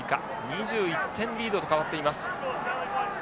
２１点リードと変わっています。